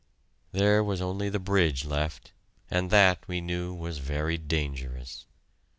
There was only the bridge left, and that, we knew, was very dangerous.